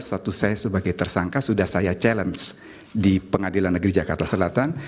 status saya sebagai tersangka sudah saya challenge di pengadilan negeri jakarta selatan